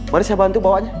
mari saya bantu bawanya